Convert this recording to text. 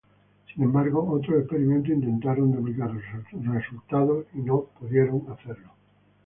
Sin embargo, otros experimentos intentaron duplicar sus resultados y no pudieron hacerlo.